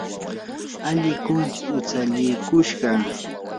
alliku hutsallikushqa.